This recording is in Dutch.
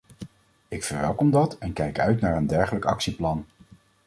Ik verwelkom dat en kijk uit naar een dergelijk actieplan.